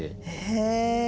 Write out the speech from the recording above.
へえ。